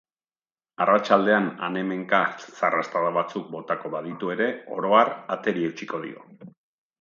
Arratsaldean han-hemenka zarrastada batzuk botako baditu ere, oro har ateri eutsiko dio.